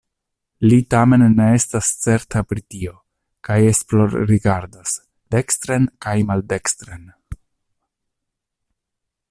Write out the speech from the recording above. Li tamen ne estas certa pri tio kaj esplorrigardas dekstren kaj maldekstren.